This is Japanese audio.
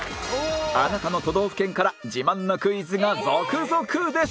あなたの都道府県から自慢のクイズが続々です！